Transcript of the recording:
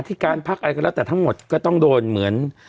ที่การพักอะไรก็แล้วแต่ทั้งหมดก็ต้องโดนเหมือน